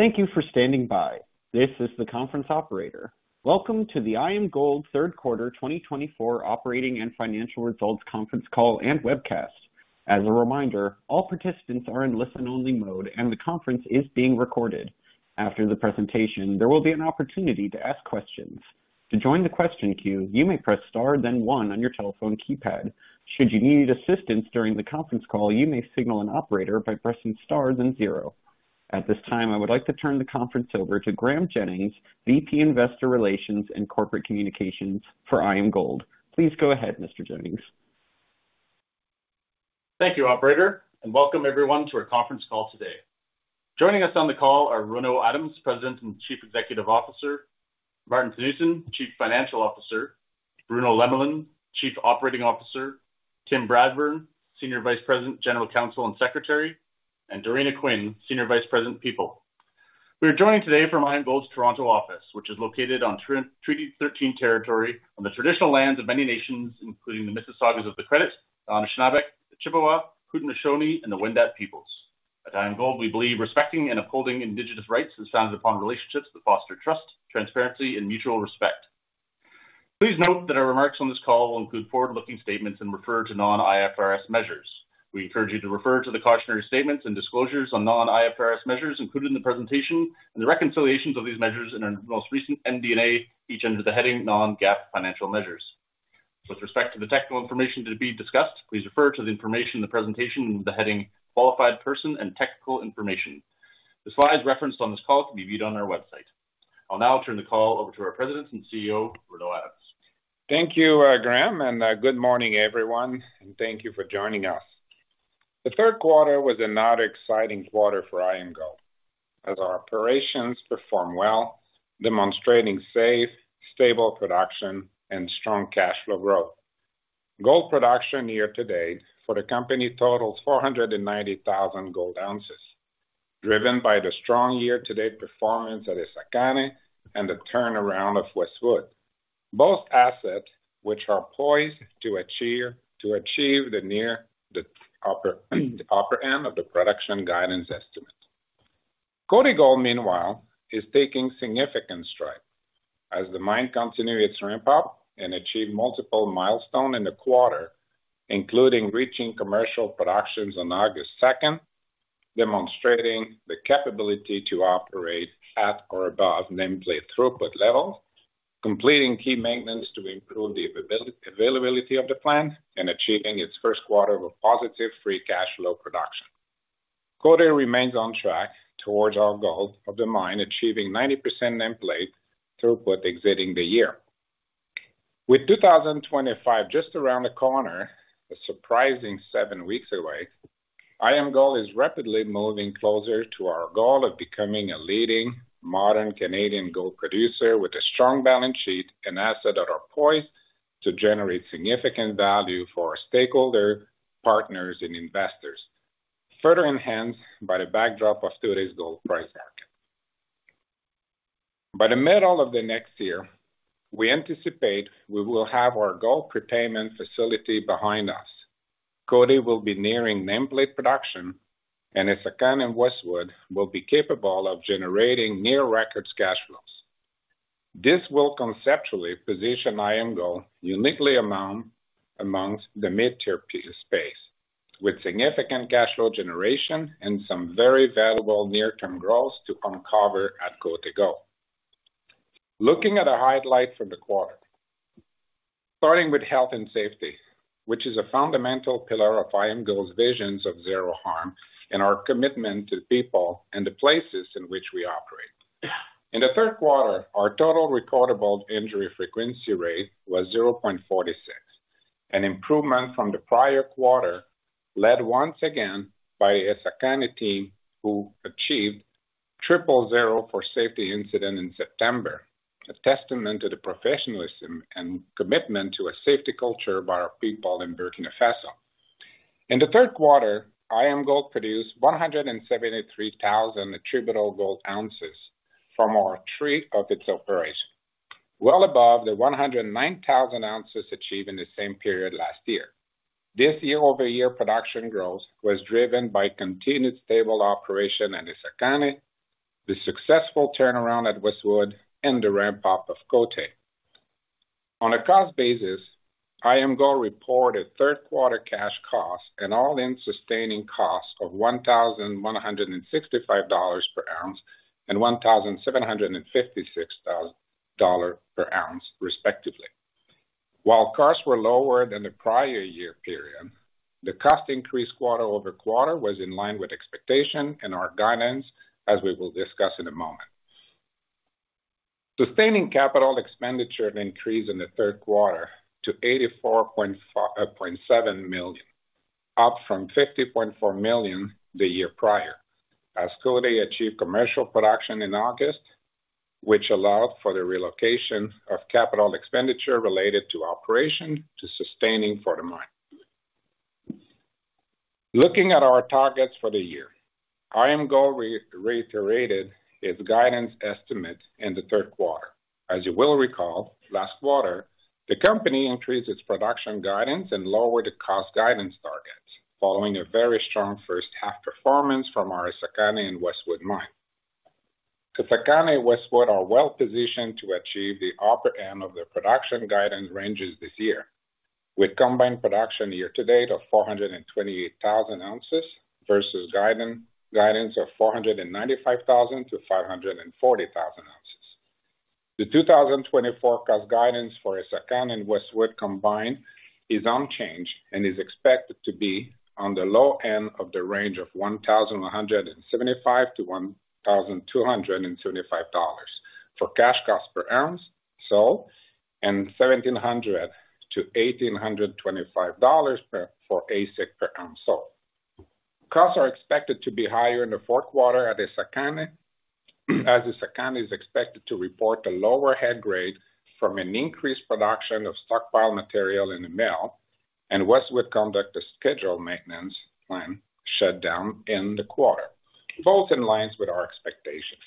Thank you for standing by. This is the conference operator. Welcome to the IAMGOLD Q3 2024 Operating and Financial Results Conference Call and Webcast. As a reminder, all participants are in listen-only mode, and the conference is being recorded. After the presentation, there will be an opportunity to ask questions. To join the question queue, you may press star then one on your telephone keypad. Should you need assistance during the conference call, you may signal an operator by pressing stars and zero. At this time, I would like to turn the conference over to Graeme Jennings, VP Investor Relations and Corporate Communications for IAMGOLD. Please go ahead, Mr. Jennings. Thank you, Operator, and welcome everyone to our conference call today. Joining us on the call are Renaud Adams, President and Chief Executive Officer, Marthinus Theunissen, Chief Financial Officer, Bruno Lemelin, Chief Operating Officer, Tim Bradburn, Senior Vice President, General Counsel and Secretary, and Doreena Quinn, Senior Vice President, People. We are joining today from IAMGOLD's Toronto office, which is located on Treaty 13 territory on the traditional lands of many nations, including the Mississaugas of the Credit, the Anishinabek, the Chippewa, the Haudenosaunee, and the Wendat Peoples. At IAMGOLD, we believe respecting and upholding Indigenous rights is founded upon relationships that foster trust, transparency, and mutual respect. Please note that our remarks on this call will include forward-looking statements and refer to non-IFRS measures. We encourage you to refer to the cautionary statements and disclosures on non-IFRS measures included in the presentation, and the reconciliations of these measures in our most recent MD&A, each under the heading Non-GAAP Financial Measures. With respect to the technical information to be discussed, please refer to the information in the presentation under the heading Qualified Person and Technical Information. The slides referenced on this call can be viewed on our website. I'll now turn the call over to our President and CEO, Renaud Adams. Thank you, Graeme, and good morning, everyone, and thank you for joining us. The Q3 was an exciting quarter for IAMGOLD, as our operations performed well, demonstrating safe, stable production and strong cash flow growth. Gold production year-to-date for the company totals 490,000 gold ounces, driven by the strong year-to-date performance at Essakane and the turnaround of Westwood, both assets which are poised to achieve the near upper end of the production guidance estimate. Côté Gold, meanwhile, is taking significant strides as the mine continues its ramp-up and achieved multiple milestones in the quarter, including reaching commercial production on August 2, demonstrating the capability to operate at or above nameplate throughput levels, completing key maintenance to improve the availability of the plant, and achieving its Q3 with positive free cash flow generation. Côté remains on track towards our goal of the mine achieving 90% nameplate throughput exceeding the year. With 2025 just around the corner, a surprising seven weeks away, IAMGOLD is rapidly moving closer to our goal of becoming a leading modern Canadian gold producer with a strong balance sheet and assets that are poised to generate significant value for our stakeholders, partners, and investors, further enhanced by the backdrop of today's gold price market. By the middle of the next year, we anticipate we will have our gold prepayment facility behind us, Côté Gold will be nearing commercial production, and Essakane and Westwood will be capable of generating near-record cash flows. This will conceptually position IAMGOLD uniquely among the mid-tier space, with significant cash flow generation and some very valuable near-term growth to uncover at Côté Gold. Looking at our highlights for the quarter, starting with health and safety, which is a fundamental pillar of IAMGOLD's vision of zero harm and our commitment to the people and the places in which we operate. In Q3, our total recordable injury frequency rate was 0.46, an improvement from the prior quarter led once again by the Essakane team who achieved zero safety incidents in September, a testament to the professionalism and commitment to a safety culture by our people in Burkina Faso. In Q3, IAMGOLD produced 173,000 attributable gold ounces from our three of its operations, well above the 109,000 ounces achieved in the same period last year. This year-over-year production growth was driven by continued stable operation at Essakane, the successful turnaround at Westwood, and the ramp-up of Côté. On a cost basis, IAMGOLD reported Q3 cash costs and all-in sustaining costs of $1,165 per ounce and $1,756 per ounce, respectively. While costs were lower than the prior year period, the cost increase Q3 over Q2 was in line with expectation and our guidance, as we will discuss in a moment. Sustaining capital expenditure increased in Q3 to $84.7 million, up from $50.4 million the year prior, as Côté achieved commercial production in August, which allowed for the relocation of capital expenditure related to operation to sustaining for the mine. Looking at our targets for the year, IAMGOLD reiterated its guidance estimate in Q3. As you will recall, last quarter, the company increased its production guidance and lowered the cost guidance targets, following a very strong first-half performance from our Essakane and Westwood mines. Essakane and Westwood are well positioned to achieve the upper end of their production guidance ranges this year, with combined production year-to-date of 428,000 ounces versus guidance of 495,000-540,000 ounces. The 2024 cost guidance for Essakane and Westwood combined is unchanged and is expected to be on the low end of the range of $1,175-$1,275 for cash costs per ounce sold and $1,700-$1,825 for AISC per ounce sold. Costs are expected to be higher in Q4 at Essakane, as Essakane is expected to report a lower head grade from an increased production of stockpile material in the mill, and Westwood conducted a scheduled maintenance plan shutdown in Q4, both in line with our expectations.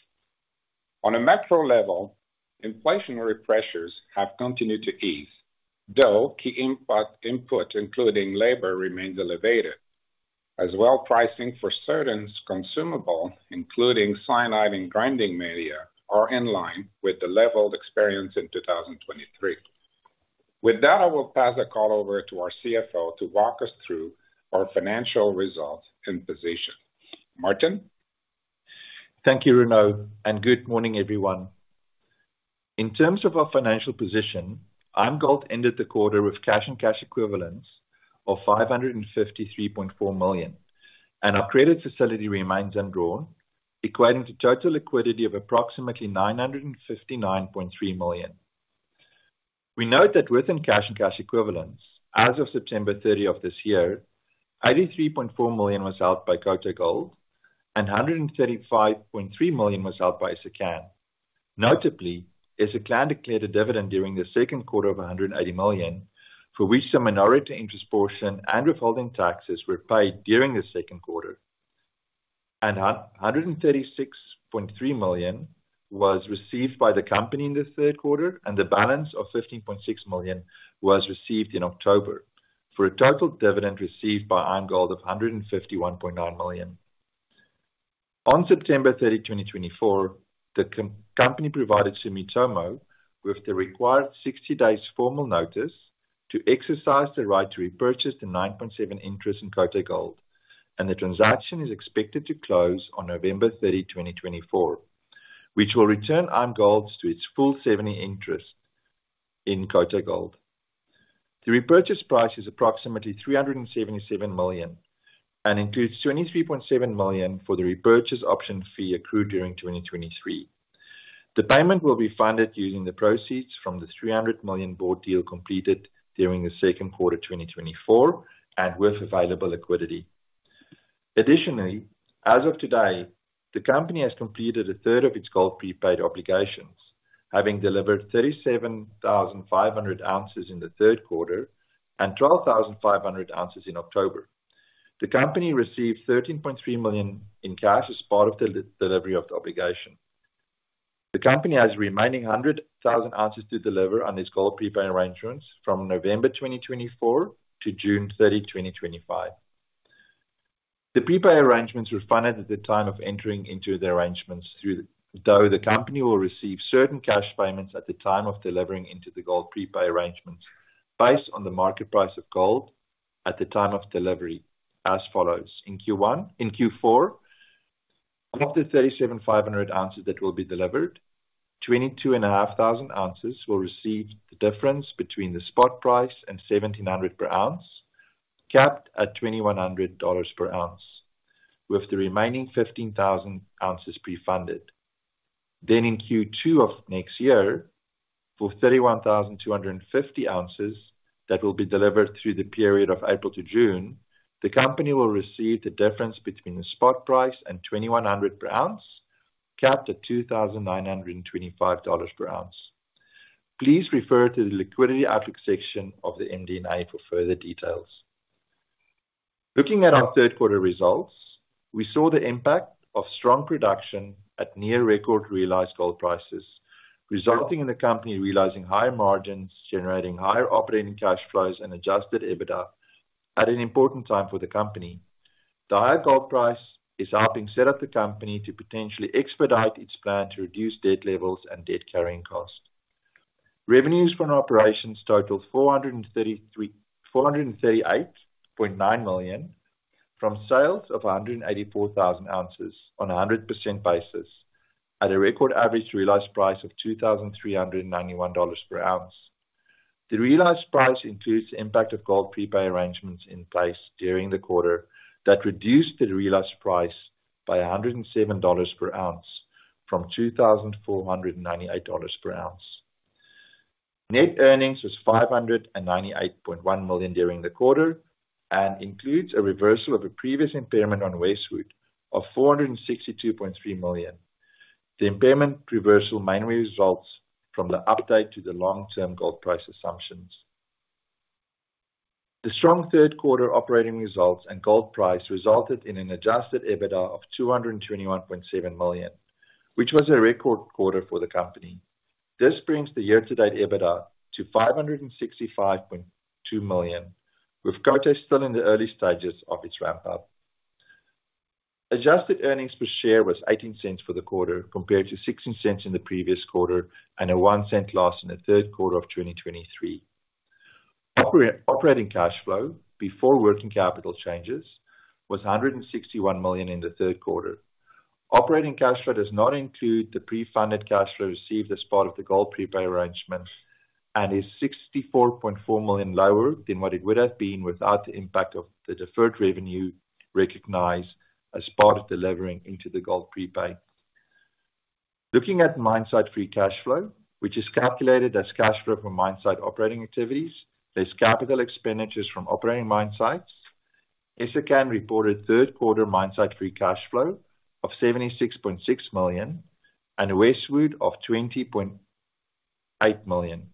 On a macro level, inflationary pressures have continued to ease, though key input, including labor, remains elevated, as well as pricing for certain consumables, including cyanide and grinding media, are in line with the levels experienced in 2023. With that, I will pass the call over to our CFO to walk us through our financial results and position. Maarten? Thank you, Renaud, and good morning, everyone. In terms of our financial position, IAMGOLD ended the quarter with cash and cash equivalents of $553.4 million, and our credit facility remains undrawn, equating to total liquidity of approximately $959.3 million. We note that within cash and cash equivalents, as of September 30 of this year, $83.4 million was held by Côté Gold, and $135.3 million was held by Essakane. Notably, Essakane declared a dividend during Q2 of $180 million, for which a minority interest portion and withholding taxes were paid during Q2, and $136.3 million was received by the company in Q3, and the balance of $15.6 million was received in October, for a total dividend received by IAMGOLD of $151.9 million. On September 30, 2024, the company provided Sumitomo with the required 60 days formal notice to exercise the right to repurchase the 9.7% interest in Côté Gold, and the transaction is expected to close on November 30, 2024, which will return IAMGOLD to its full 70% interest in Côté Gold. The repurchase price is approximately $377 million and includes $23.7 million for the repurchase option fee accrued during 2023. The payment will be funded using the proceeds from the $300 million bought deal completed during Q2 2024 and with available liquidity. Additionally, as of today, the company has completed a third of its gold prepaid obligations, having delivered 37,500 ounces in Q3 and 12,500 ounces in October. The company received $13.3 million in cash as part of the delivery of the obligation. The company has remaining 100,000 ounces to deliver on its gold prepay arrangements from November 2024 to June 30, 2025. The prepay arrangements were funded at the time of entering into the arrangements, though the company will receive certain cash payments at the time of delivering into the gold prepay arrangements based on the market price of gold at the time of delivery, as follows: In Q4, of the 37,500 ounces that will be delivered, 22,500 ounces will receive the difference between the spot price and $1,700 per ounce, capped at $2,100 per ounce, with the remaining 15,000 ounces pre-funded. Then, in Q2 of next year, for 31,250 ounces that will be delivered through the period of April to June, the company will receive the difference between the spot price and $2,100 per ounce, capped at $2,925 per ounce. Please refer to the liquidity outlook section of the MD&A for further details. Looking at our Q3 results, we saw the impact of strong production at near-record realized gold prices, resulting in the company realizing higher margins, generating higher operating cash flows, and Adjusted EBITDA at an important time for the company. The higher gold price is helping set up the company to potentially expedite its plan to reduce debt levels and debt carrying costs. Revenues from operations totaled $438.9 million from sales of 184,000 ounces on a 100% basis, at a record average realized price of $2,391 per ounce. The realized price includes the impact of gold prepay arrangements in place during the quarter that reduced the realized price by $107 per ounce from $2,498 per ounce. Net earnings was $598.1 million during the quarter and includes a reversal of a previous impairment on Westwood of $462.3 million. The impairment reversal mainly results from the update to the long-term gold price assumptions. The strong Q3 operating results and gold price resulted in an adjusted EBITDA of $221.7 million, which was a record quarter for the company. This brings the year-to-date EBITDA to $565.2 million, with Côté Gold still in the early stages of its ramp-up. Adjusted earnings per share was $0.18 for the quarter, compared to $0.16 in the previous quarter and a $0.01 loss in Q3 of 2023. Operating cash flow, before working capital changes, was $161 million in Q3. Operating cash flow does not include the pre-funded cash flow received as part of the gold prepay arrangements and is $64.4 million lower than what it would have been without the impact of the deferred revenue recognized as part of delivering into the gold prepay. Looking at mine site free cash flow, which is calculated as cash flow from mine site operating activities, less capital expenditures from operating mine sites, Essakane reported Q3 mine site free cash flow of $76.6 million and Westwood of $20.8 million.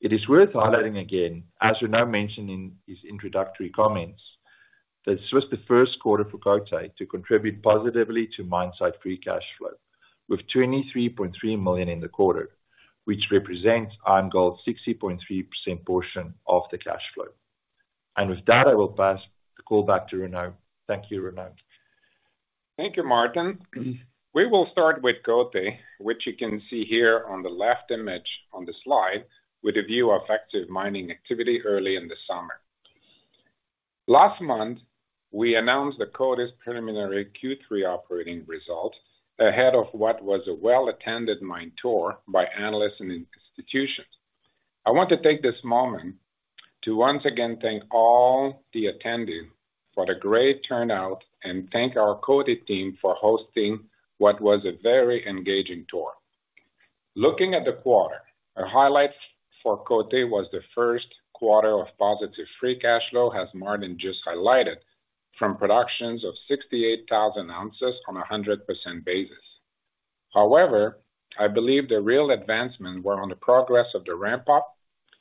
It is worth highlighting again, as Renaud mentioned in his introductory comments, that this was the first quarter for Côté to contribute positively to mine site free cash flow, with $23.3 million in the quarter, which represents IAMGOLD's 60.3% portion of the cash flow. And with that, I will pass the call back to Renaud. Thank you, Renaud. Thank you, Maarten. We will start with Côté, which you can see here on the left image on the slide, with a view of active mining activity early in the summer. Last month, we announced the Côté's preliminary Q3 operating results ahead of what was a well-attended mine tour by analysts and institutions. I want to take this moment to once again thank all the attendees for the great turnout and thank our Côté team for hosting what was a very engaging tour. Looking at the quarter, a highlight for Côté was the first quarter of positive free cash flow, as Maarten just highlighted, from productions of 68,000 ounces on a 100% basis. However, I believe the real advancements were on the progress of the ramp-up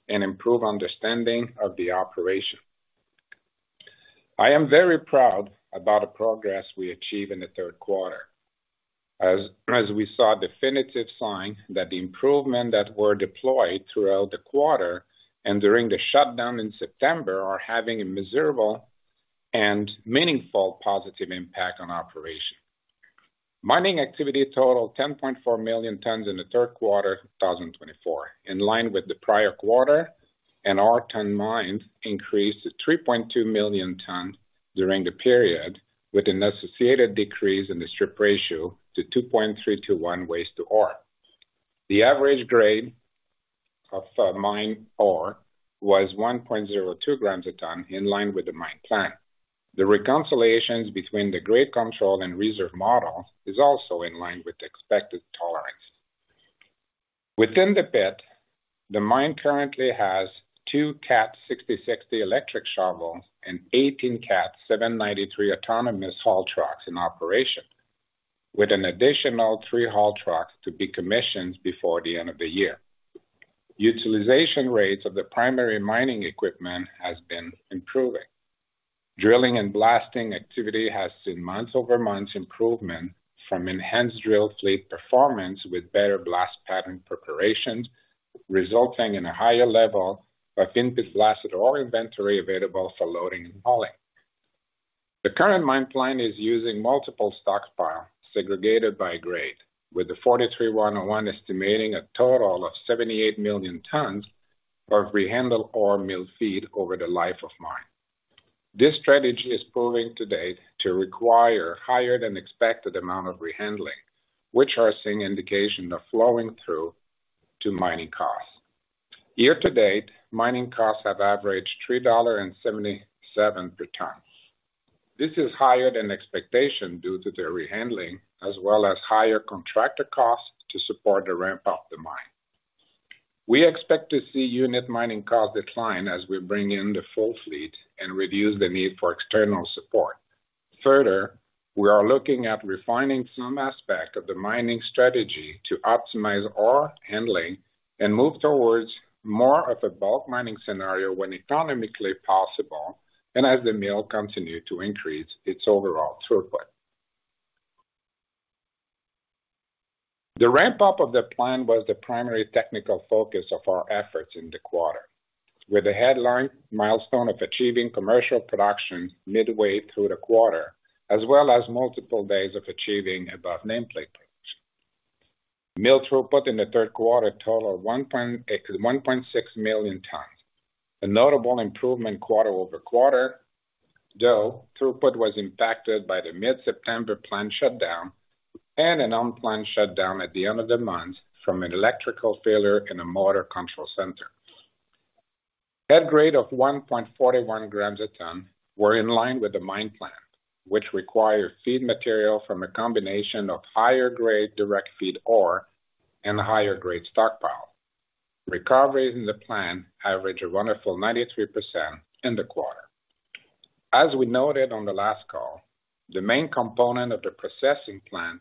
and improved understanding of the operation. I am very proud about the progress we achieved in Q3, as we saw a definitive sign that the improvements that were deployed throughout the quarter and during the shutdown in September are having a measurable and meaningful positive impact on operations. Mining activity totaled 10.4 million tons in Q3 2024, in line with the prior quarter, and our tonnage mined increased to 3.2 million tons during the period, with an associated decrease in the strip ratio to 2.3:1 waste to ore. The average grade of mine ore was 1.02 grams a ton, in line with the mine plan. The reconciliations between the grade control and reserve model is also in line with the expected tolerance. Within the pit, the mine currently has two CAT 6060 electric shovels and 18 CAT 793 autonomous haul trucks in operation, with an additional three haul trucks to be commissioned before the end of the year. Utilization rates of the primary mining equipment have been improving. Drilling and blasting activity has seen month-over-month improvement from enhanced drill fleet performance with better blast pattern preparations, resulting in a higher level of input blasted ore inventory available for loading and hauling. The current mine plan is using multiple stockpiles segregated by grade, with the 43-101 estimating a total of 78 million tons of rehandled ore milled feed over the life of mine. This strategy is proving today to require a higher than expected amount of rehandling, which is an indication of flowing through to mining costs. Year-to-date, mining costs have averaged $3.77 per ton. This is higher than expectation due to the rehandling, as well as higher contractor costs to support the ramp-up of the mine. We expect to see unit mining costs decline as we bring in the full fleet and reduce the need for external support. Further, we are looking at refining some aspects of the mining strategy to optimize ore handling and move towards more of a bulk mining scenario when economically possible and as the mill continues to increase its overall throughput. The ramp-up of the plant was the primary technical focus of our efforts in Q4, with the headline milestone of achieving commercial production midway through Q4, as well as multiple days of achieving above nameplate production. Mill throughput in Q3 totaled 1.6 million tons, a notable improvement over Q2, though throughput was impacted by the mid-September planned shutdown and an unplanned shutdown at the end of the month from an electrical failure in a motor control center. Head grade of 1.41 grams per ton were in line with the mine plan, which required feed material from a combination of higher grade direct feed ore and a higher grade stockpile. Recoveries in the plan averaged a wonderful 93% in Q4. As we noted on the last call, the main component of the processing plant,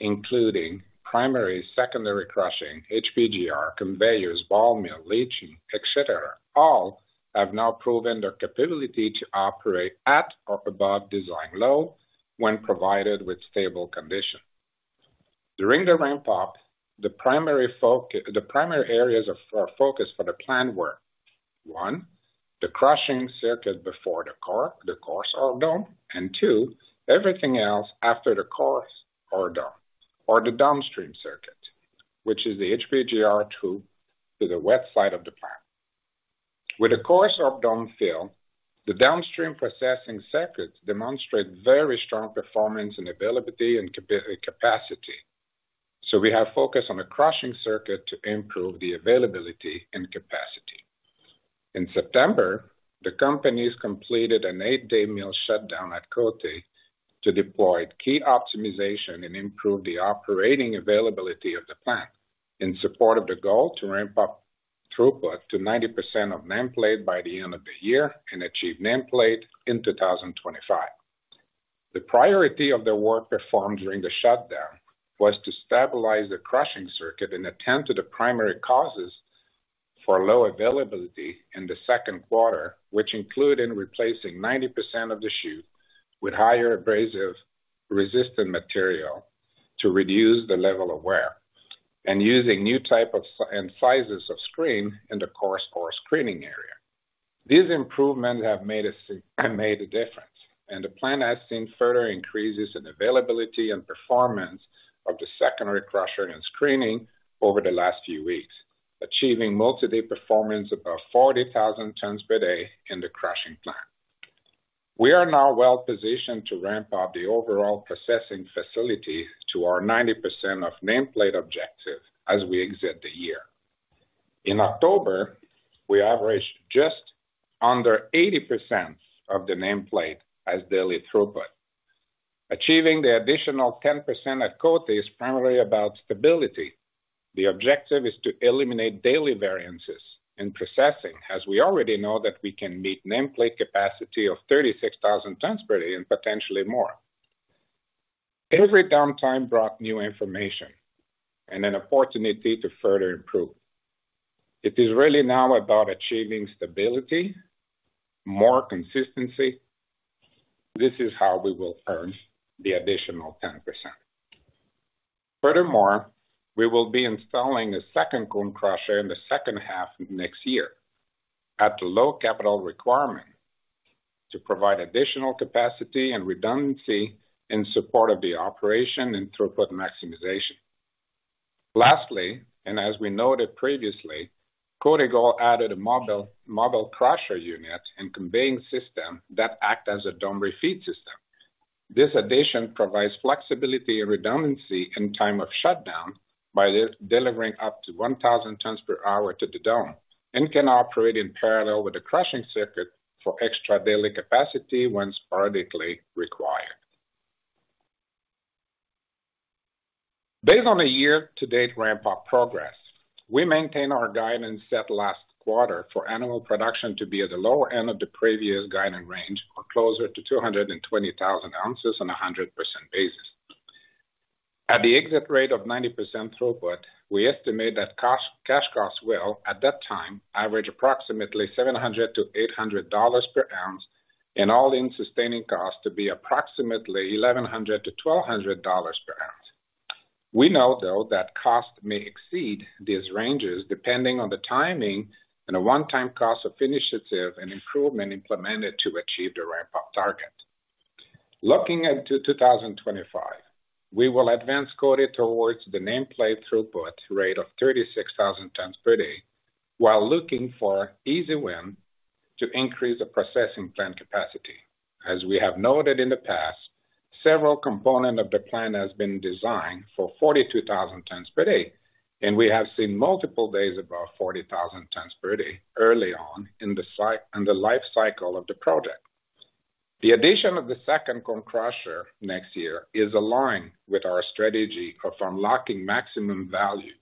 including primary, secondary crushing, HPGR, conveyors, ball mill, leaching, etc., all have now proven their capability to operate at or above design load when provided with stable conditions. During the ramp-up, the primary areas of focus for the plan were: one, the crushing circuit before the coarse ore dome; and two, everything else after the coarse ore dome or the downstream circuit, which is the HPGR-2 to the west side of the plant. With the coarse ore dome filled, the downstream processing circuits demonstrate very strong performance and availability and capacity, so we have focused on the crushing circuit to improve the availability and capacity. In September, the companies completed an eight-day mill shutdown at Côté to deploy key optimization and improve the operating availability of the plant in support of the goal to ramp up throughput to 90% of nameplate by the end of the year and achieve nameplate in 2025. The priority of the work performed during the shutdown was to stabilize the crushing circuit in an attempt to address the primary causes for low availability in Q2, which included replacing 90% of the chute with higher abrasive-resistant material to reduce the level of wear and using new types and sizes of screen in the coarse ore screening area. These improvements have made a difference, and the plant has seen further increases in availability and performance of the secondary crushing and screening over the last few weeks, achieving multi-day performance of about 40,000 tons per day in the crushing plant. We are now well-positioned to ramp up the overall processing facility to our 90% of nameplate objective as we exit the year. In October, we averaged just under 80% of the nameplate as daily throughput. Achieving the additional 10% at Côté is primarily about stability. The objective is to eliminate daily variances in processing, as we already know that we can meet nameplate capacity of 36,000 tons per day and potentially more. Every downtime brought new information and an opportunity to further improve. It is really now about achieving stability, more consistency. This is how we will earn the additional 10%. Furthermore, we will be installing a second cone crusher in the second half of next year at the low capital requirement to provide additional capacity and redundancy in support of the operation and throughput maximization. Lastly, and as we noted previously, Côté Gold added a mobile crusher unit and conveying system that acts as a dome refeed system. This addition provides flexibility and redundancy in time of shutdown by delivering up to 1,000 tons per hour to the dome and can operate in parallel with the crushing circuit for extra daily capacity when sporadically required. Based on the year-to-date ramp-up progress, we maintain our guidance set last quarter for annual production to be at the lower end of the previous guidance range or closer to 220,000 ounces on a 100% basis. At the exit rate of 90% throughput, we estimate that cash costs will, at that time, average approximately $700-$800 per ounce, and all in sustaining costs to be approximately $1,100-$1,200 per ounce. We know, though, that costs may exceed these ranges depending on the timing and the one-time cost of initiative and improvement implemented to achieve the ramp-up target. Looking at 2025, we will advance Côté towards the nameplate throughput rate of 36,000 tons per day while looking for easy wins to increase the processing plant capacity. As we have noted in the past, several components of the plan have been designed for 42,000 tons per day, and we have seen multiple days above 40,000 tons per day early on in the life cycle of the project. The addition of the second cone crusher next year is aligned with our strategy of unlocking maximum value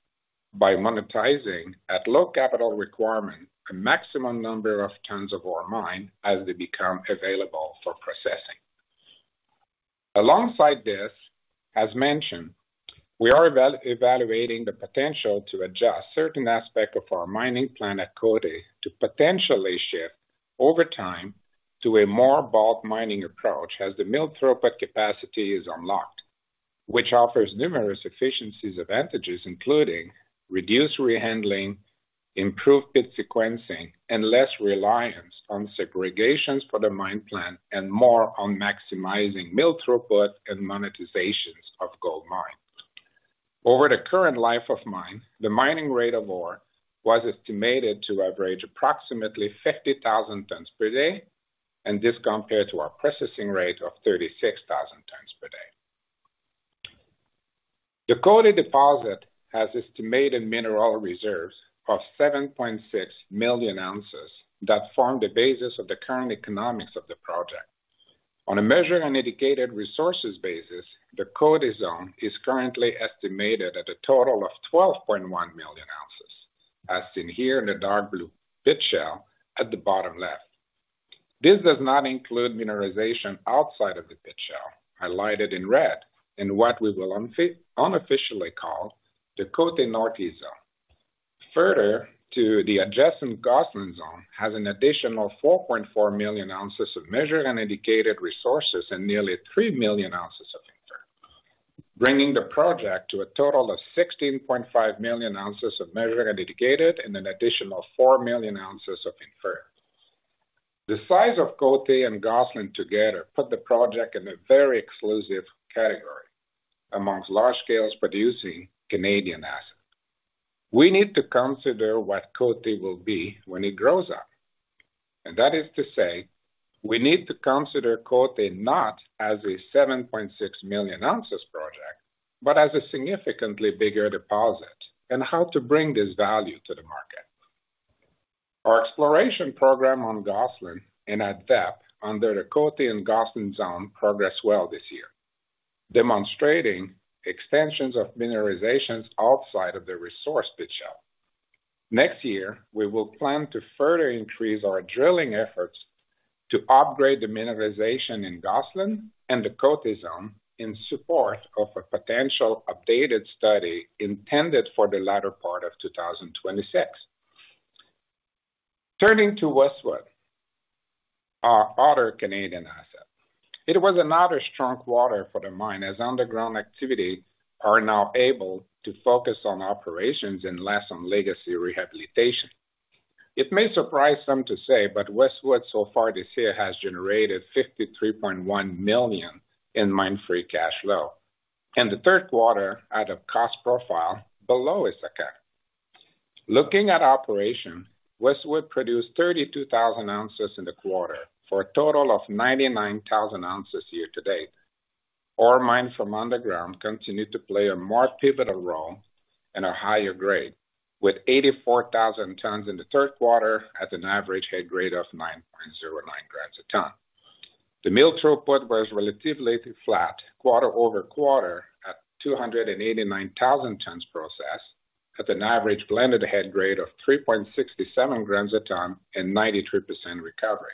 by monetizing, at low capital requirement, a maximum number of tons of ore mined as they become available for processing. Alongside this, as mentioned, we are evaluating the potential to adjust certain aspects of our mining plan at Côté to potentially shift over time to a more bulk mining approach as the mill throughput capacity is unlocked, which offers numerous efficiencies advantages, including reduced rehandling, improved pit sequencing, and less reliance on segregations for the mine plan and more on maximizing mill throughput and monetizations of gold mined. Over the current life of mine, the mining rate of ore was estimated to average approximately 50,000 tons per day, and this compared to our processing rate of 36,000 tons per day. The Côté deposit has estimated mineral reserves of 7.6 million ounces that form the basis of the current economics of the project. On a measured and indicated resources basis, the Côté zone is currently estimated at a total of 12.1 million ounces, as seen here in the dark blue pit shell at the bottom left. This does not include mineralization outside of the pit shell, highlighted in red in what we will unofficially call the Côté Northeast zone. Further, the adjacent Gosselin zone has an additional 4.4 million ounces of measured and indicated resources and nearly 3 million ounces of inferred, bringing the project to a total of 16.5 million ounces of measured and indicated and an additional 4 million ounces of inferred. The size of Côté and Gosselin together put the project in a very exclusive category among large scales producing Canadian assets. We need to consider what Côté will be when it grows up. And that is to say, we need to consider Côté not as a 7.6 million ounces project, but as a significantly bigger deposit and how to bring this value to the market. Our exploration program on Gosselin and at depth under the Côté and Gosselin zone progressed well this year, demonstrating extensions of mineralization outside of the resource pit shell. Next year, we will plan to further increase our drilling efforts to upgrade the mineralization in Gosselin and the Côté zone in support of a potential updated study intended for the latter part of 2026. Turning to Westwood, our other Canadian asset, it was another strong quarter for the mine as underground activity are now able to focus on operations and less on legacy rehabilitation. It may surprise some to say, but Westwood so far this year has generated $53.1 million in mine site free cash flow, and the third quarter out of cost profile below its AISC. Looking at operations, Westwood produced 32,000 ounces in the quarter for a total of 99,000 ounces year-to-date. Ore mined from underground continued to play a more pivotal role at a higher grade, with 84,000 tons in the third quarter at an average head grade of 9.09 grams per ton. The mill throughput was relatively flat quarter over quarter at 289,000 tons processed at an average blended head grade of 3.67 grams a ton and 93% recovery.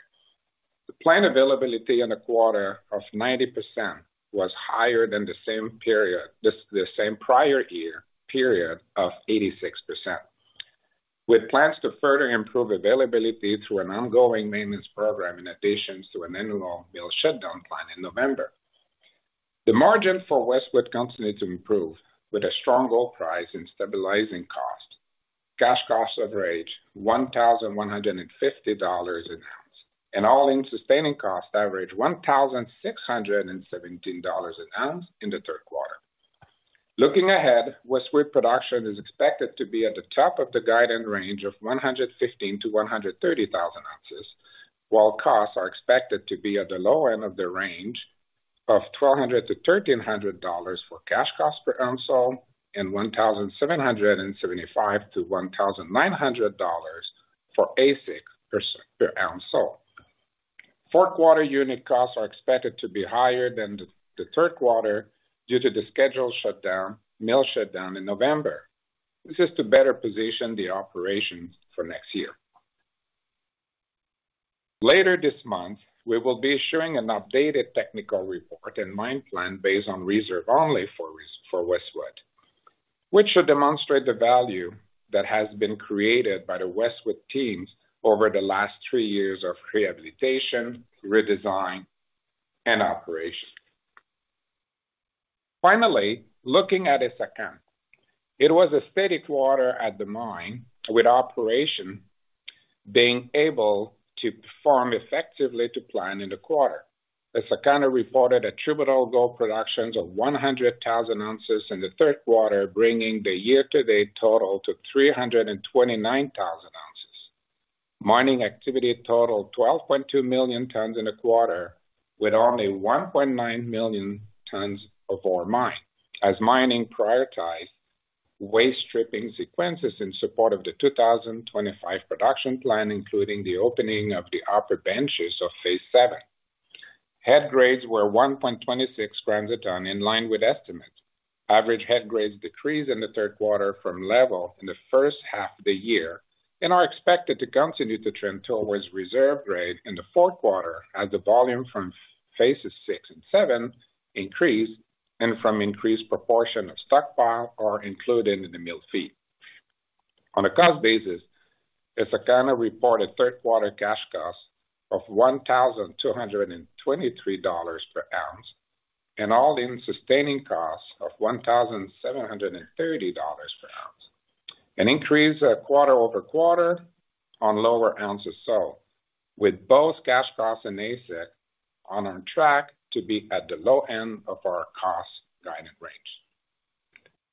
The planned availability in the quarter of 90% was higher than the same period, the same prior year period of 86%, with plans to further improve availability through an ongoing maintenance program in addition to an annual mill shutdown plan in November. The margin for Westwood continued to improve with a strong gold price and stabilizing cost. Cash costs averaged $1,150 an ounce, and all in sustaining costs averaged $1,617 an ounce in the third quarter. Looking ahead, Westwood production is expected to be at the top of the guidance range of 115,000-130,000 ounces, while costs are expected to be at the lower end of the range of $1,200-$1,300 for cash costs per ounce sold and $1,775-$1,900 for AISC per ounce sold. Fourth quarter unit costs are expected to be higher than the third quarter due to the scheduled shutdown, mill shutdown in November. This is to better position the operations for next year. Later this month, we will be issuing an updated technical report and mine plan based on reserve only for Westwood, which should demonstrate the value that has been created by the Westwood teams over the last three years of rehabilitation, redesign, and operation. Finally, looking at Essakane, it was a steady quarter at the mine with operations being able to perform effectively to plan in the quarter. Essakane reported a total gold production of 100,000 ounces in the third quarter, bringing the year-to-date total to 329,000 ounces. Mining activity totaled 12.2 million tons in the quarter with only 1.9 million tons of ore mined. As mining prioritized waste stripping sequences in support of the 2025 production plan, including the opening of the upper benches of phase seven, head grades were 1.26 grams a ton in line with estimates. Average head grades decreased in the third quarter from levels in the first half of the year and are expected to continue to trend towards reserve grade in the fourth quarter as the volume from phases six and seven increased and from increased proportion of stockpile are included in the mill feed. On a cost basis, Essakane reported third quarter cash costs of $1,223 per ounce and all-in sustaining costs of $1,730 per ounce, an increase quarter over quarter on lower ounces sold, with both cash costs and AISC on track to be at the low end of our cost guidance range.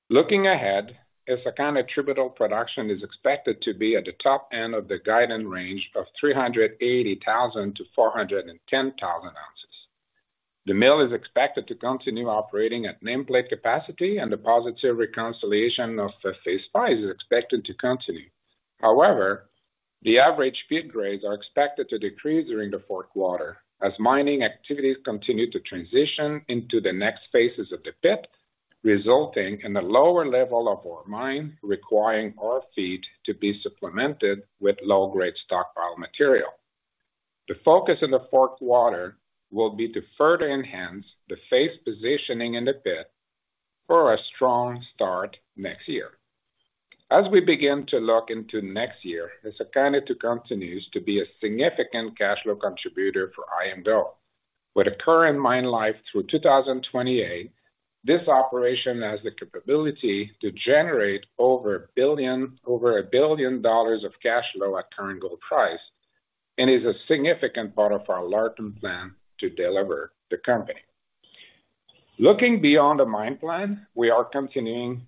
Looking ahead, Essakane total production is expected to be at the top end of the guidance range of 380,000-410,000 ounces. The mill is expected to continue operating at nameplate capacity, and the positive reconciliation of the phase five is expected to continue. However, the average feed grades are expected to decrease during the fourth quarter as mining activities continue to transition into the next phases of the pit, resulting in a lower level of ore mined requiring ore feed to be supplemented with low-grade stockpile material. The focus in the fourth quarter will be to further enhance the phase positioning in the pit for a strong start next year. As we begin to look into next year, it's expected to continue to be a significant cash flow contributor for IAMGOLD. With the current mine life through 2028, this operation has the capability to generate over $1 billion of cash flow at current gold price and is a significant part of our long-term plan to de-lever the company. Looking beyond the mine plan, we are continuing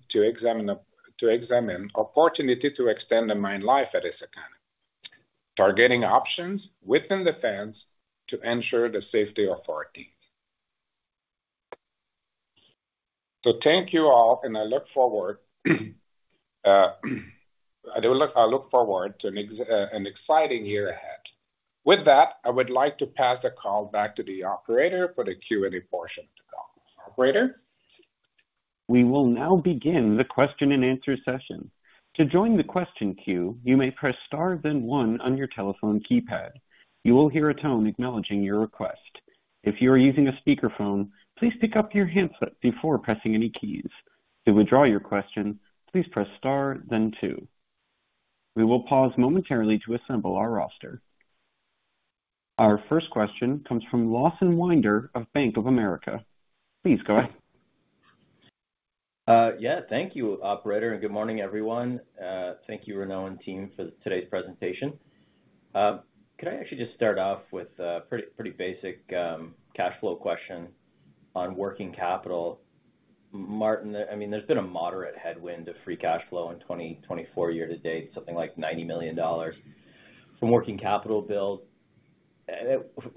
to examine opportunity to extend the mine life at Essakane, targeting options within the fence to ensure the safety of our teams. So thank you all, and I look forward to an exciting year ahead. With that, I would like to pass the call back to the operator for the Q&A portion of the call. Operator. We will now begin the question and answer session. To join the question queue, you may press star then one on your telephone keypad. You will hear a tone acknowledging your request. If you are using a speakerphone, please pick up your handset before pressing any keys. To withdraw your question, please press star then two. We will pause momentarily to assemble our roster. Our first question comes from Lawson Winder of Bank of America. Please go ahead. Yeah, thank you, Operator, and good morning, everyone. Thank you, Renaud and team, for today's presentation. Could I actually just start off with a pretty basic cash flow question on working capital? Maarten, I mean, there's been a moderate headwind of free cash flow in 2024 year-to-date, something like $90 million from working capital build.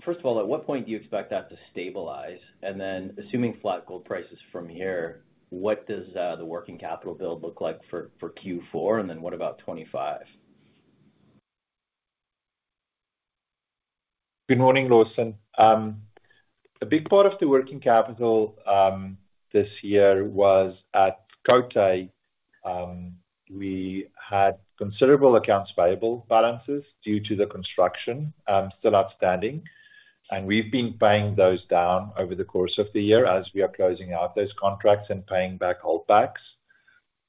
First of all, at what point do you expect that to stabilize? And then, assuming flat gold prices from here, what does the working capital build look like for Q4? And then what about 2025? Good morning, Lawson. A big part of the working capital this year was at Côté. We had considerable accounts payable balances due to the construction still outstanding, and we've been paying those down over the course of the year as we are closing out those contracts and paying back holdbacks.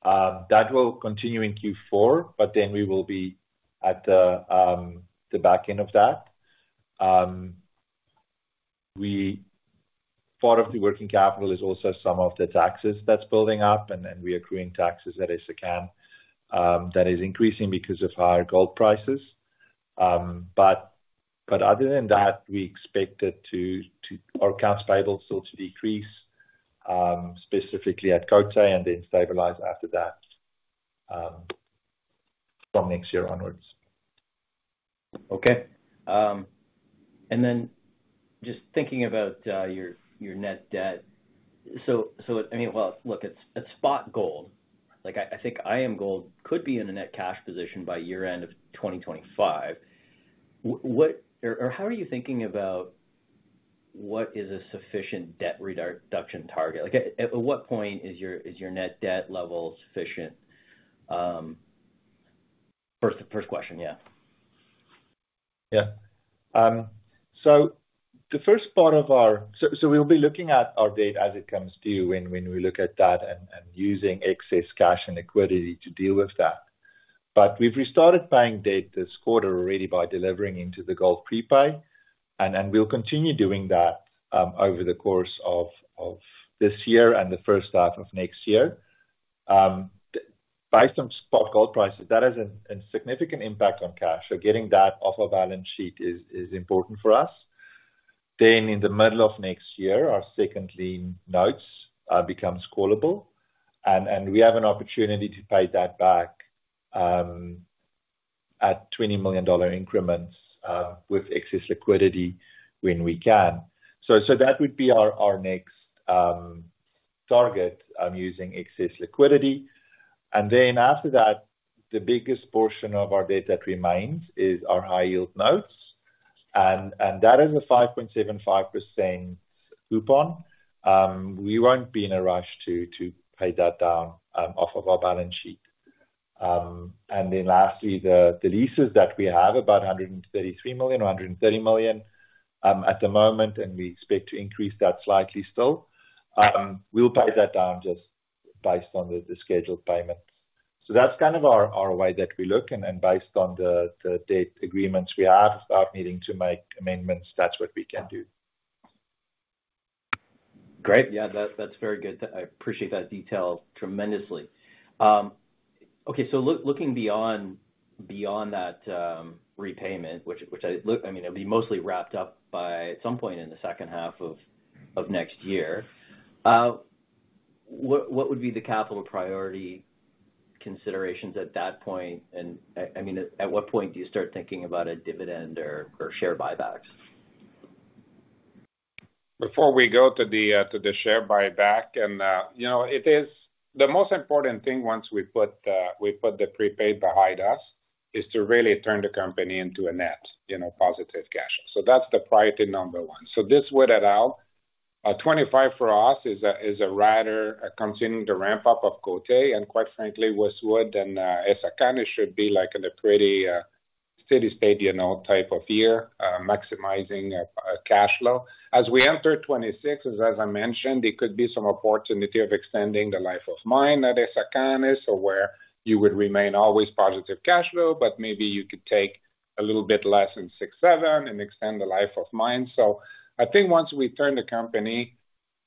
That will continue in Q4, but then we will be at the back end of that. Part of the working capital is also some of the taxes that's building up, and we are accruing taxes at its account that is increasing because of higher gold prices. But other than that, we expect our accounts payable still to decrease, specifically at Côté, and then stabilize after that from next year onwards. Okay. Then just thinking about your net debt, so I mean, well, look, at spot gold, I think IAMGOLD could be in a net cash position by year-end of 2025. Or how are you thinking about what is a sufficient debt reduction target? At what point is your net debt level sufficient? First question, yeah. Yeah. So the first part of our we'll be looking at our debt as it comes due when we look at that and using excess cash and liquidity to deal with that. But we've restarted buying debt this quarter already by delivering into the gold prepay, and we'll continue doing that over the course of this year and the first half of next year. By some spot gold prices, that has a significant impact on cash, so getting that off our balance sheet is important for us. Then in the middle of next year, our second lien notes becomes callable, and we have an opportunity to pay that back at $20 million increments with excess liquidity when we can. So that would be our next target, using excess liquidity. And then after that, the biggest portion of our debt that remains is our high-yield notes, and that is a 5.75% coupon. We won't be in a rush to pay that down off of our balance sheet. And then lastly, the leases that we have, about $133 million or $130 million at the moment, and we expect to increase that slightly still. We'll pay that down just based on the scheduled payments. So that's kind of our way that we look, and based on the debt agreements we have without needing to make amendments, that's what we can do. Great. Yeah, that's very good. I appreciate that detail tremendously. Okay, so looking beyond that repayment, which I mean, it'll be mostly wrapped up by some point in the second half of next year, what would be the capital priority considerations at that point? And I mean, at what point do you start thinking about a dividend or share buybacks? Before we go to the share buyback, and it is the most important thing once we put the prepaid behind us is to really turn the company into a net positive cash. So that's the priority number one. So this would allow 2025 for us is a rather continuing to ramp up of Côté, and quite frankly, Westwood and Essakane should be like in a pretty steady state type of year, maximizing cash flow. As we enter 2026, as I mentioned, there could be some opportunity of extending the life of mine at Essakane, so where you would remain always positive cash flow, but maybe you could take a little bit less in 2027 and extend the life of mine. I think once we turn the company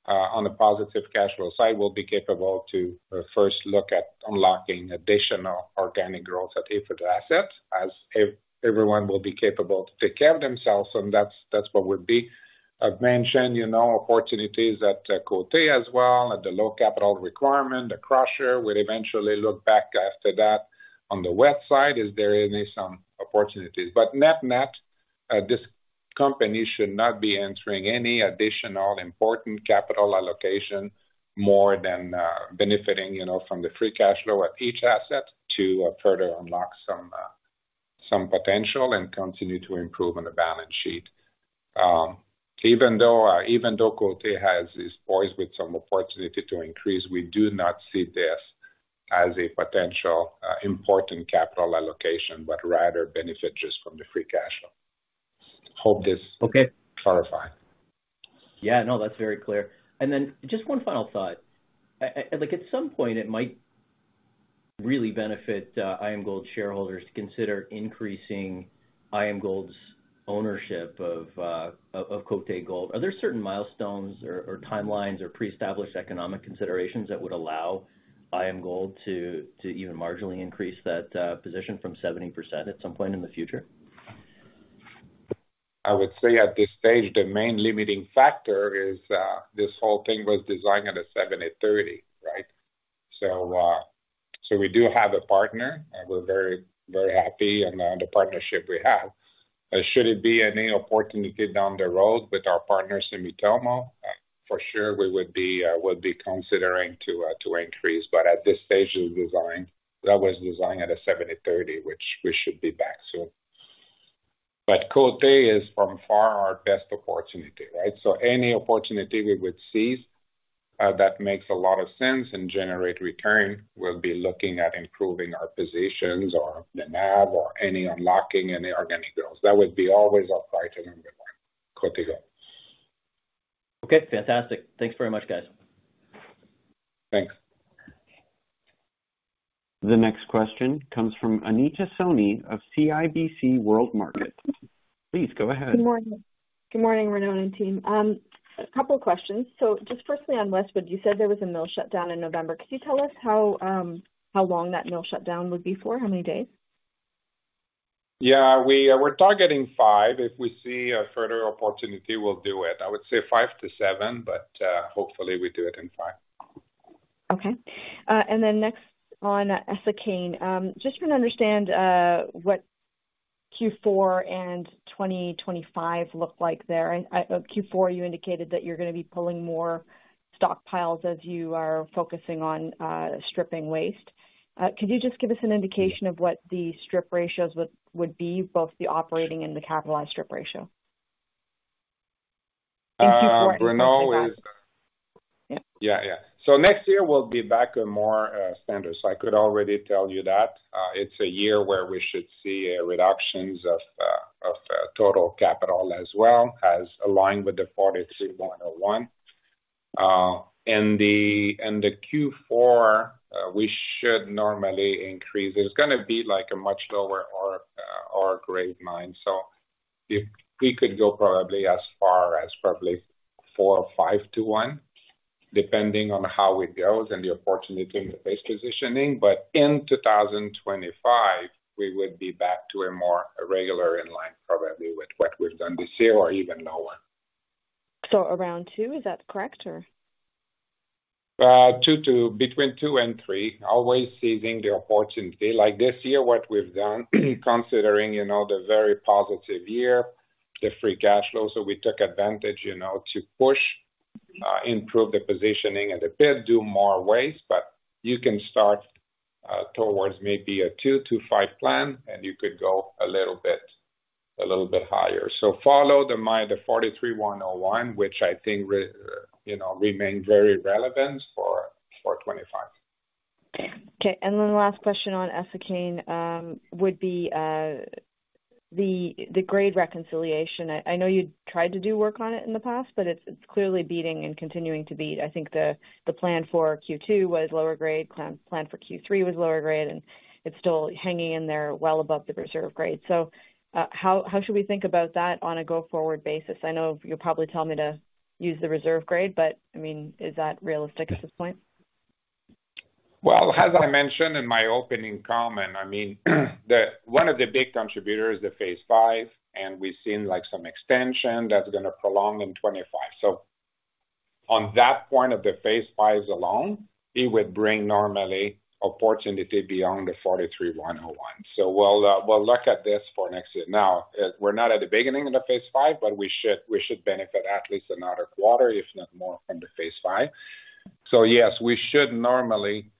on the positive cash flow side, we'll be capable to first look at unlocking additional organic growth at Essakane asset as everyone will be capable to take care of themselves, and that's what would be. I've mentioned opportunities at Côté as well at the low capital requirement, the crusher. We'll eventually look back after that on the Westwood. Is there any opportunities. But net net, this company should not be entering any additional important capital allocation more than benefiting from the free cash flow at each asset to further unlock some potential and continue to improve on the balance sheet. Even though Côté Gold is poised with some opportunity to increase, we do not see this as a potential important capital allocation, but rather benefit just from the free cash flow. Hope this clarified. Yeah, no, that's very clear. And then just one final thought. At some point, it might really benefit IAMGOLD shareholders to consider increasing IAMGOLD's ownership of Côté Gold. Are there certain milestones or timelines or pre-established economic considerations that would allow IAMGOLD to even marginally increase that position from 70% at some point in the future? I would say at this stage, the main limiting factor is this whole thing was designed at a 70/30, right? So we do have a partner. We're very happy on the partnership we have. Should it be any opportunity down the road with our partner, Sumitomo, for sure, we would be considering to increase, but at this stage of design, that was designed at a 70/30, which we should be back soon. But Côté is by far our best opportunity, right? So any opportunity we would seize that makes a lot of sense and generate return will be looking at improving our positions or the NAV or any unlocking any organic growth. That would be always our priority number one, côté Gold. Okay, fantastic. Thanks very much, guys. Thanks. The next question comes from Anita Soni of CIBC World Markets. Please go ahead. Good morning. Good morning, Renaud and team. A couple of questions. So just firstly, on Westwood, you said there was a mill shutdown in November. Could you tell us how long that mill shutdown would be for? How many days? Yeah, we're targeting five. If we see a further opportunity, we'll do it. I would say five to seven, but hopefully we do it in five. Okay. And then next on Essakane, just trying to understand what Q4 and 2025 look like there. Q4, you indicated that you're going to be pulling more stockpiles as you are focusing on stripping waste. Could you just give us an indication of what the strip ratios would be, both the operating and the capitalized strip ratio? In Q4. Renaud. Yeah, yeah. So next year, we'll be back on more standards. I could already tell you that. It's a year where we should see reductions of total capital as well, as aligned with the 43-101. In the Q4, we should normally increase. It's going to be like a much lower strip ratio. So we could go probably as far as four or five to one, depending on how it goes and the opportunity in the base positioning. But in 2025, we would be back to a more regular in-line probably with what we've done this year or even lower. So around two, is that correct, or? Between two and three, always seizing the opportunity. Like this year, what we've done, considering the very positive year, the free cash flow, so we took advantage to push, improve the positioning a bit, do more waste, but you can start towards maybe a two to five plan, and you could go a little bit higher. So follow the 43-101, which I think remains very relevant for 2025. Okay. And then the last question on Essakane would be the grade reconciliation. I know you tried to do work on it in the past, but it's clearly beating and continuing to beat. I think the plan for Q2 was lower grade, plan for Q3 was lower grade, and it's still hanging in there well above the reserve grade. So how should we think about that on a go-forward basis? I know you'll probably tell me to use the reserve grade, but I mean, is that realistic at this point? Well, as I mentioned in my opening comment, I mean, one of the big contributors is the phase five, and we've seen some extension that's going to prolong in 2025. So on that point of the phase five alone, it would bring normally opportunity beyond the 43-101. So we'll look at this for next year. Now, we're not at the beginning of the phase five, but we should benefit at least another quarter, if not more, from the phase five. So yes, we should normally,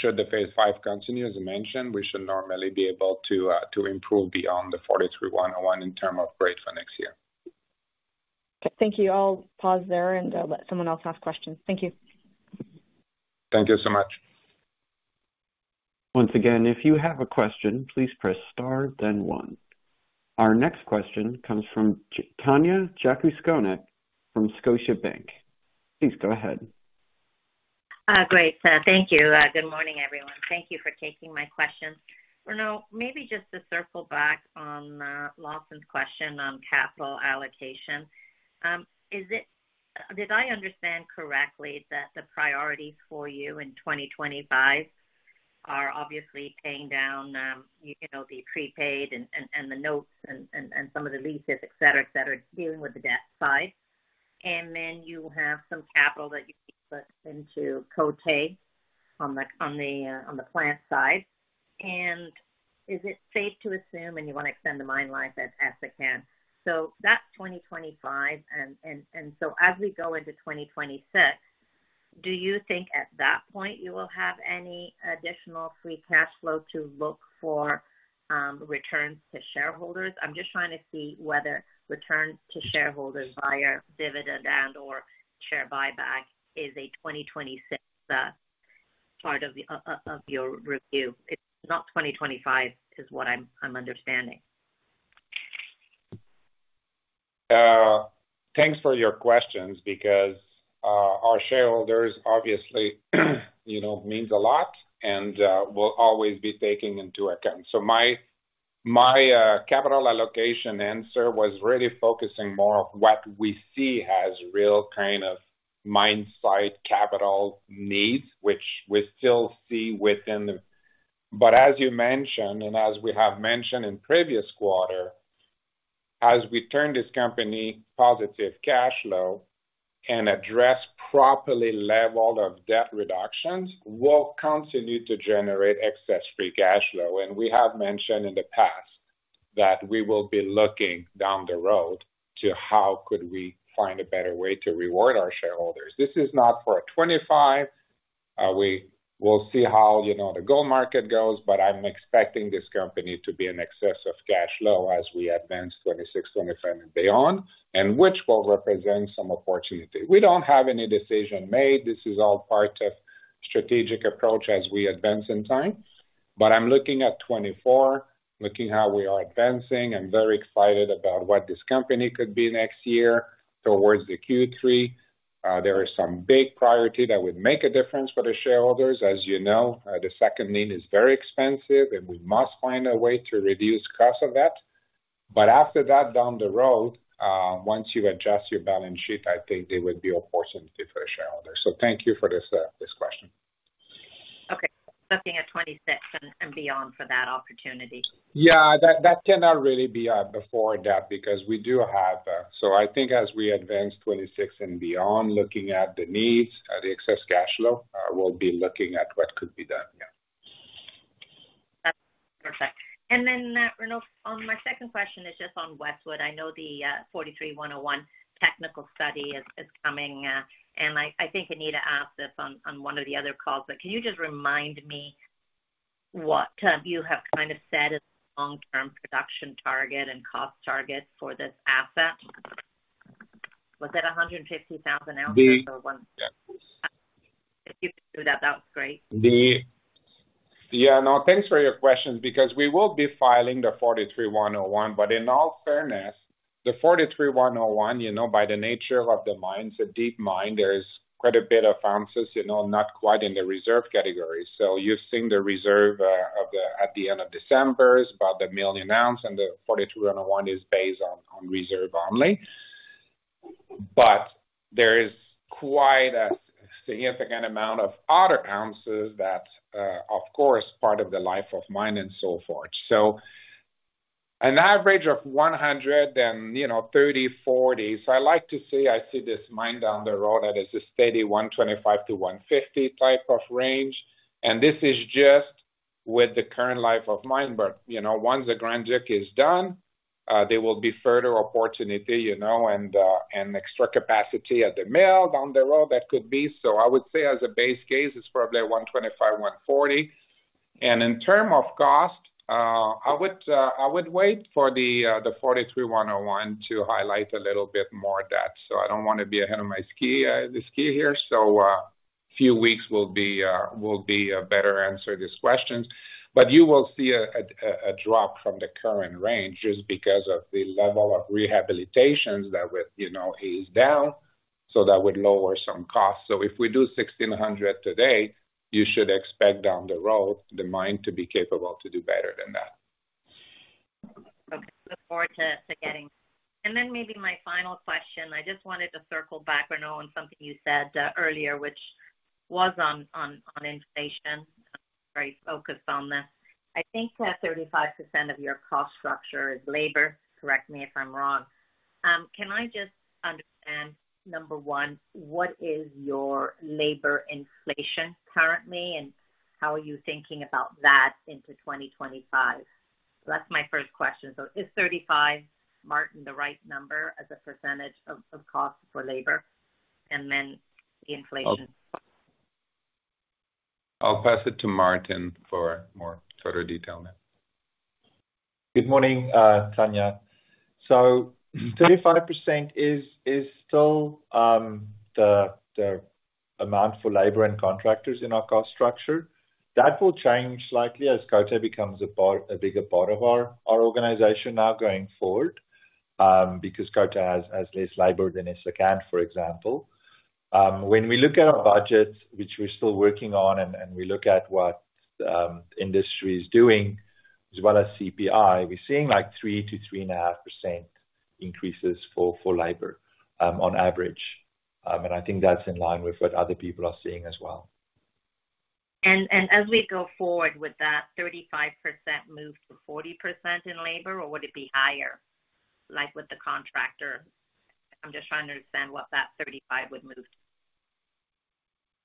should the phase five continue, as I mentioned, we should normally be able to improve beyond the 43-101 in terms of grade for next year. Okay. Thank you. I'll pause there and let someone else ask questions. Thank you. Thank you so much. Once again, if you have a question, please press star, then one. Our next question comes from Tanya Jakusconic from Scotiabank. Please go ahead. Great. Thank you. Good morning, everyone. Thank you for taking my question. Renaud, maybe just to circle back on Lawson's question on capital allocation, did I understand correctly that the priorities for you in 2025 are obviously paying down the prepaid and the notes and some of the leases, etc., etc., dealing with the debt side, and then you have some capital that you put into Côté on the plant side? And is it safe to assume and you want to extend the mine life at Essakane? So that's 2025. And so as we go into 2026, do you think at that point you will have any additional free cash flow to look for returns to shareholders? I'm just trying to see whether return to shareholders via dividend and/or share buyback is a 2026 part of your review. It's not 2025, is what I'm understanding. Thanks for your questions because our shareholders obviously mean a lot and will always be taking into account. So my capital allocation answer was really focusing more on what we see as real kind of mine site capital needs, which we still see within. But as you mentioned, and as we have mentioned in previous quarter, as we turn this company positive cash flow and address properly level of debt reductions, we'll continue to generate excess free cash flow. And we have mentioned in the past that we will be looking down the road to how could we find a better way to reward our shareholders. This is not for 2025. We'll see how the gold market goes, but I'm expecting this company to be in excess of cash flow as we advance 2026, 2027, and beyond, and which will represent some opportunity. We don't have any decision made. This is all part of strategic approach as we advance in time. But I'm looking at 2024, looking how we are advancing. I'm very excited about what this company could be next year towards the Q3. There is some big priority that would make a difference for the shareholders. As you know, the second lien is very expensive, and we must find a way to reduce cost of that. But after that, down the road, once you adjust your balance sheet, I think there would be opportunity for the shareholders. So thank you for this question. Okay. Looking at 2026 and beyond for that opportunity. Yeah, that cannot really be before that because we do have. So I think as we advance 2026 and beyond, looking at the needs, the excess cash flow, we'll be looking at what could be done. Yeah. Perfect. And then, Renaud, my second question is just on Westwood. I know the 43-101 technical study is coming, and I think Anita asked this on one of the other calls, but can you just remind me what you have kind of set as a long-term production target and cost target for this asset? Was it 150,000 ounces or so? If you can do that, that would be great. Yeah, no, thanks for your questions because we will be filing the 43-101, but in all fairness, the 43-101, by the nature of the mine, it's a deep mine. There is quite a bit of ounces, not quite in the reserve category. So you've seen the reserve at the end of December, about a million ounces, and the 43-101 is based on reserves only. But there is quite a significant amount of other ounces that, of course, part of the life of mine and so forth. So an average of 130-140. So I like to say I see this mine down the road that is a steady 125-150 type of range. And this is just with the current life of mine, but once the Grand Duc is done, there will be further opportunity and extra capacity at the mill down the road that could be. So I would say as a base case, it's probably 125-140. And in terms of cost, I would wait for the 43-101 to highlight a little bit more that. So I don't want to be ahead of my skis here. So a few weeks will be a better answer to these questions. But you will see a drop from the current range just because of the level of rehabilitation that is down. So that would lower some costs. So if we do 1,600 today, you should expect down the road the mine to be capable to do better than that. Okay. Look forward to getting. And then maybe my final question. I just wanted to circle back, Renaud, on something you said earlier, which was on inflation. I'm very focused on this. I think 35% of your cost structure is labor. Correct me if I'm wrong. Can I just understand, number one, what is your labor inflation currently, and how are you thinking about that into 2025? That's my first question. So is 35, Maarten, the right number as a percentage of cost for labor? And then the inflation. I'll pass it to Maarten for more further detail now. Good morning, Tanya. 35% is still the amount for labor and contractors in our cost structure. That will change slightly as Côté becomes a bigger part of our organization now going forward because Côté has less labor than Essakane, for example. When we look at our budgets, which we're still working on, and we look at what the industry is doing, as well as CPI, we're seeing like 3 to 3.5% increases for labor on average. I think that's in line with what other people are seeing as well. As we go forward with that 35% move to 40% in labor, or would it be higher? Like with the contractor, I'm just trying to understand what that 35 would move to.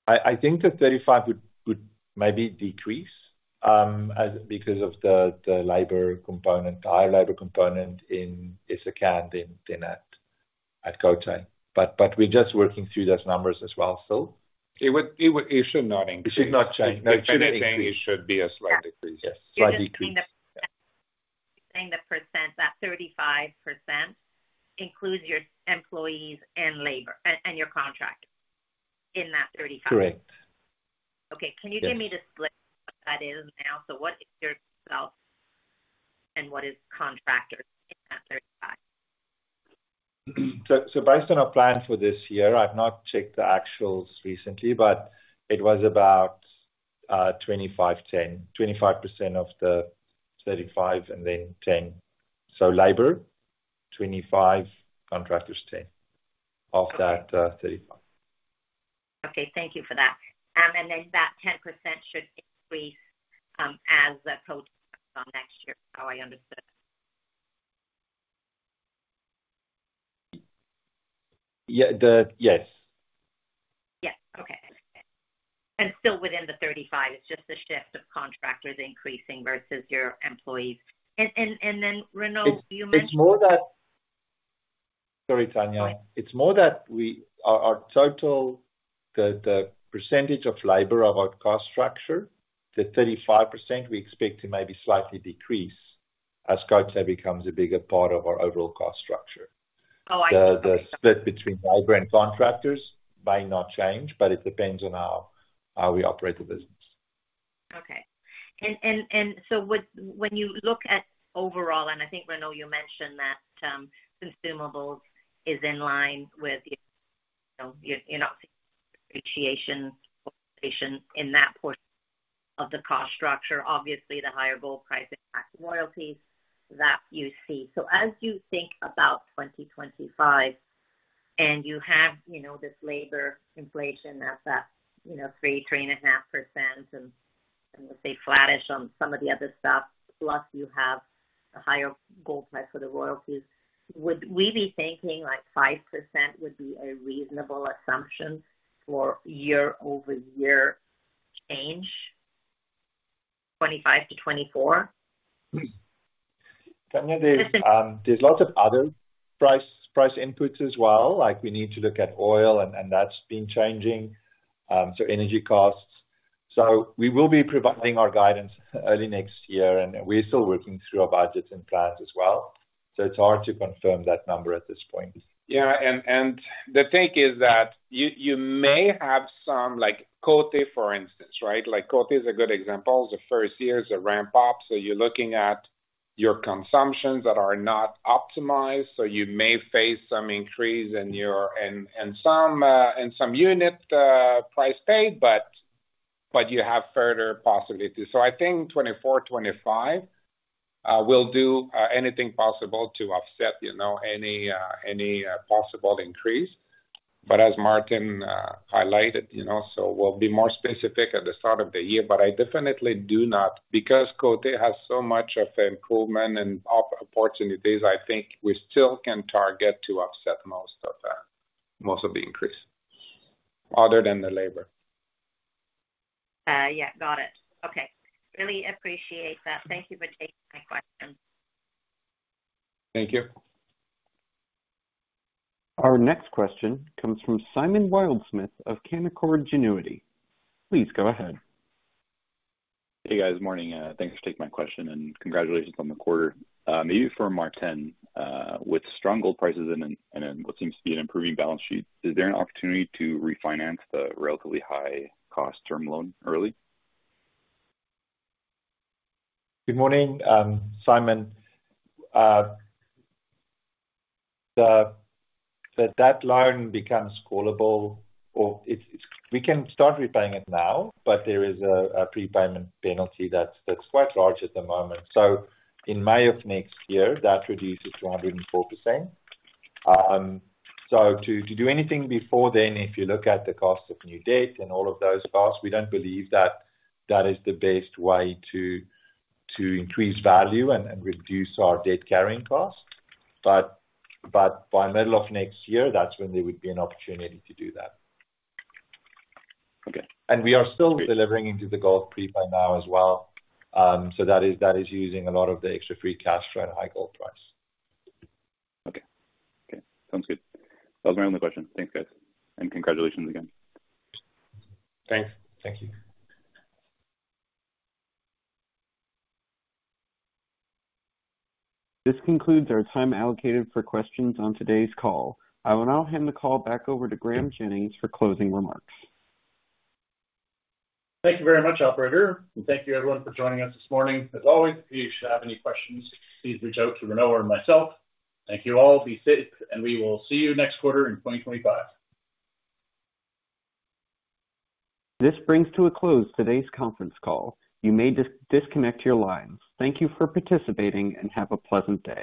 I think the 35 would maybe decrease because of the higher labor component in Essakane than at Côté. We're just working through those numbers as well still. It should not increase. It should not change. It shouldn't change. It should be a slight decrease. Yes. Slight decrease. You're saying the percent, that 35% includes your employees and labor and your contractors in that 35? Correct. Okay. Can you give me the split of what that is now? So what is yourself and what is contractors in that 35? So based on our plan for this year, I've not checked the actuals recently, but it was about 25, 10, 25% of the 35 and then 10. So labor, 25, contractors, 10 of that 35. Okay. Thank you for that. And then that 10% should increase as the Côté comes on next year, how I understood. Yes. Yes. Okay. And still within the 35, it's just the shift of contractors increasing versus your employees. And then, Renaud, you mentioned. It's more that. Sorry, Tanya. It's more that our total, the percentage of labor of our cost structure, the 35%, we expect to maybe slightly decrease as Côté becomes a bigger part of our overall cost structure. The split between labor and contractors may not change, but it depends on how we operate the business. Okay. And so when you look at overall, and I think, Renaud, you mentioned that consumables is in line with your appreciation in that portion of the cost structure. Obviously, the higher gold price impacts royalties that you see. So as you think about 2025 and you have this labor inflation at that 3%-3.5%, and we'll say flattish on some of the other stuff, plus you have a higher gold price for the royalties, would we be thinking like 5% would be a reasonable assumption for year-over-year change, 2025 to 2024? Tanya, there's lots of other price inputs as well. We need to look at oil, and that's been changing. So energy costs. So we will be providing our guidance early next year, and we're still working through our budgets and plans as well. So it's hard to confirm that number at this point. Yeah. And the take is that you may have some like Côté, for instance, right? Côté is a good example. The first year is a ramp-up. So you're looking at your consumables that are not optimized. So you may face some increase in some unit price paid, but you have further possibilities. So I think 2024, 2025, we'll do anything possible to offset any possible increase. But as Maarten highlighted, so we'll be more specific at the start of the year. But I definitely do not, because Côté has so much of improvement and opportunities. I think we still can target to offset most of the increase other than the labor. Yeah. Got it. Okay. Really appreciate that. Thank you for taking my question. Thank you. Our next question comes from Simon Wildsmith of Canaccord Genuity. Please go ahead. Hey, guys. Morning. Thanks for taking my question and congratulations on the quarter. Maybe for Maarten, with strong gold prices and what seems to be an improving balance sheet, is there an opportunity to refinance the relatively high-cost term loan early? Good morning, Simon. That loan becomes callable. We can start repaying it now, but there is a prepayment penalty that's quite large at the moment. So in May of next year, that reduces to 104%. So to do anything before then, if you look at the cost of new debt and all of those costs, we don't believe that that is the best way to increase value and reduce our debt-carrying cost. But by middle of next year, that's when there would be an opportunity to do that. And we are still delivering into the gold prepay now as well. So that is using a lot of the extra free cash for a high gold price. Okay. Okay. Sounds good. That was my only question. Thanks, guys. And congratulations again. Thanks. Thank you. This concludes our time allocated for questions on today's call. I will now hand the call back over to Graeme Jennings for closing remarks. Thank you very much, operator. And thank you, everyone, for joining us this morning. As always, if you have any questions, please reach out to Renaud or myself. Thank you all. Be safe, and we will see you next quarter in 2025. This brings to a close today's conference call. You may disconnect your lines. Thank you for participating and have a pleasant day.